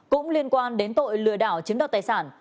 cũng liên quan đến tội lừa đảo chiếm đoạt tài sản